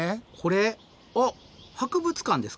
おっ博物館ですか？